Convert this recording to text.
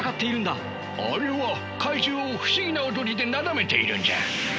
あれは怪獣を不思議な踊りでなだめているんじゃ。